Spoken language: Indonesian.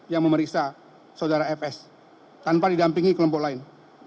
yang memeriksa saudara fs tanpa didampingi kelompok lain